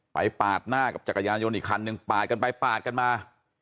ปาดหน้ากับจักรยานยนต์อีกคันหนึ่งปาดกันไปปาดกันมา